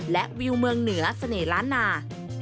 และวิวเมืองเหนือเสน่ห์ล้านนา